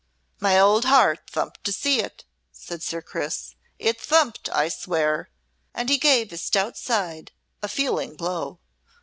"My old heart thumped to see it!" said Sir Chris; "it thumped, I swear!" and he gave his stout side a feeling blow.